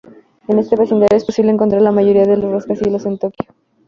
En este vecindario es posible encontrar la mayoría de los rascacielos en Tokio.